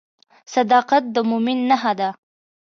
صداقت د مؤمن نښه ده.